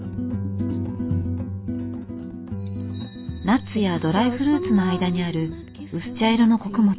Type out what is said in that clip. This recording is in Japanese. ナッツやドライフルーツの間にある薄茶色の穀物